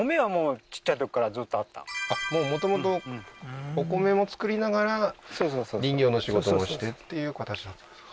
もともとお米も作りながら林業の仕事もしてっていう形だったんですか